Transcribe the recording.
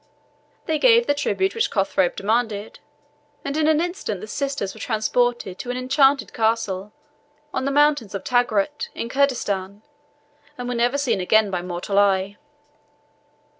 They gave the tribute which Cothrob demanded, and in an instant the sisters were transported to an enchanted castle on the mountains of Tugrut, in Kurdistan, and were never again seen by mortal eye.